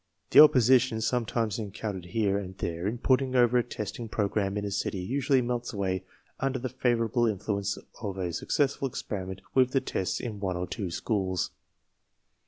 The opposition sometimes en countered here and there in putting over a testing program in a city usually melts away under the favor THE PROBLEM 27 able influence of a successful experiment with the tests in one or two schools.